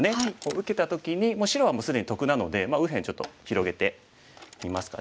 受けた時に白はもう既に得なので右辺ちょっと広げてみますかね。